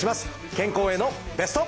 健康へのベスト。